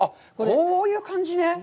こういう感じね。